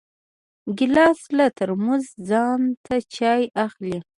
ګیلاس له ترموزه ځان ته چای اخلي.